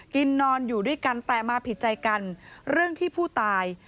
กินนอนอยู่ด้วยกันแต่มาผิดใจกันเรื่องที่ผู้ตาย